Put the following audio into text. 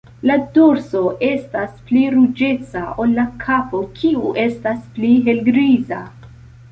La dorso estas pli ruĝeca ol la kapo, kiu estas pli helgriza.